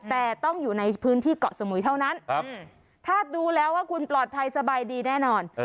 แต่ต้องอยู่ในพื้นที่เกาะสมุยเท่านั้นถ้าดูแล้วว่าคุณปลอดภัยสบายดีแน่นอน